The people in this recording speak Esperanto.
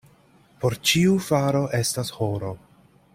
Por ĉiu faro estas horo.